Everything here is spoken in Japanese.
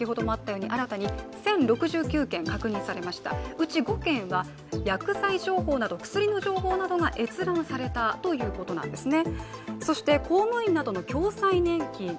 うち５件は薬剤情報など薬の情報が閲覧されたということなんですね。